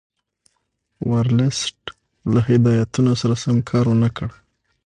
ورلسټ له هدایتونو سره سم کار ونه کړ.